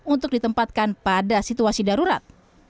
untuk ditempatkan pada situasi darurat